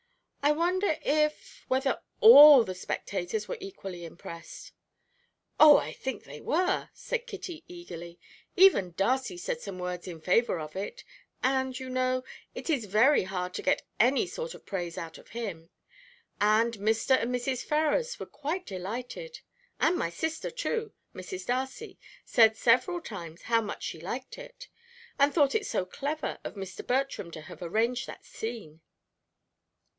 I wonder if whether all the spectators were equally impressed." "Oh, I think they were," said Kitty eagerly. "Even Darcy said some words in favour of it, and, you know, it is very hard to get any sort of praise out of him. And Mr. and Mrs. Ferrars were quite delighted. And my sister, too, Mrs. Darcy, said several times how much she liked it; she thought it so clever of Mr. Bertram to have arranged that scene."